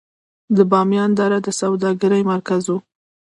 د بامیان دره د سوداګرۍ مرکز و